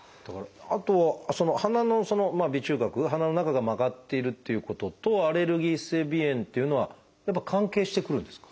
あと鼻のまあ鼻中隔鼻の中が曲がっているっていうこととアレルギー性鼻炎っていうのは関係してくるんですか？